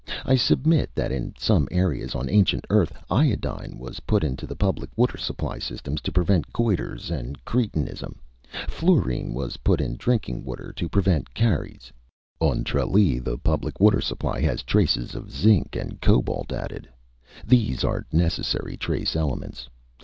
I submit that in some areas on ancient Earth, iodine was put into the public water supply systems to prevent goiters and cretinism. Fluorine was put into drinking water to prevent caries. On Tralee the public water supply has traces of zinc and cobalt added. These are necessary trace elements.